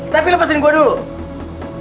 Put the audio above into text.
tapi lepasin gua dulu